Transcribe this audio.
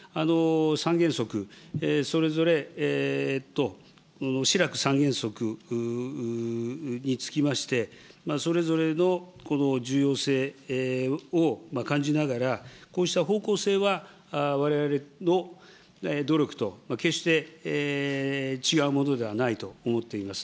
三原則、それぞれシラク三原則につきまして、それぞれの重要性を感じながら、こうした方向性はわれわれの努力と決して違うものではないと思っています。